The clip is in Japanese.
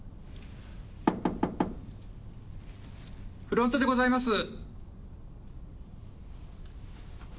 フロントでございます。